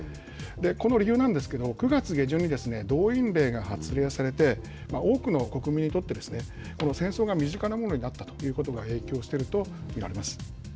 この理由なんですけど、９月下旬に動員令が発令されて、多くの国民にとって、この戦争が身近なものになったということが影響していると見られます。